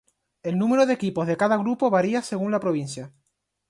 El número de equipos de cada grupo varía según la provincia.